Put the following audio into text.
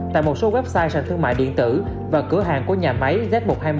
tại một số website sản thương mại điện tử và cửa hàng của nhà máy z một trăm hai mươi một